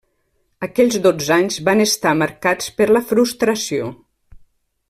Aquells dotze anys van estar marcats per la frustració.